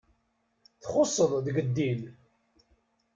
Txusseḍ deg ddin.